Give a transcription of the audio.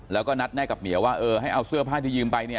แล้วก็นัดแน่กับเหมียว่าเออให้เอาเสื้อผ้าที่ยืมไปเนี่ย